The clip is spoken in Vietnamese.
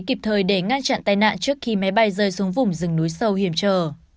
kịp thời để ngăn chặn tai nạn trước khi máy bay rơi xuống vùng rừng núi sâu hiểm trở